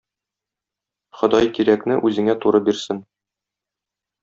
Ходай кирәкне үзеңә туры бирсен.